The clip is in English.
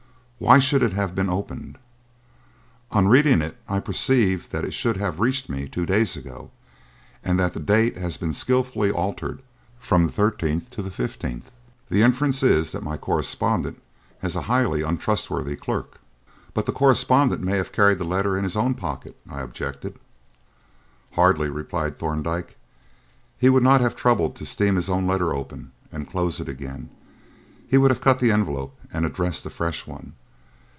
Why should it have been opened? On reading it I perceive that it should have reached me two days ago, and that the date has been skilfully altered from the thirteenth to the fifteenth. The inference is that my correspondent has a highly untrustworthy clerk." "But the correspondent may have carried the letter in his own pocket," I objected. "Hardly," replied Thorndyke. "He would not have troubled to steam his own letter open and close it again; he would have cut the envelope and addressed a fresh one.